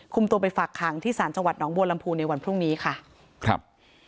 ตัวไปฝากขังที่ศาลจังหวัดหนองบัวลำพูในวันพรุ่งนี้ค่ะครับ